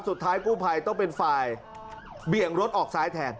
สุดท้ายกู้ภัยต้องเป็นฝ่ายเบี่ยงรถออกซ้ายแทน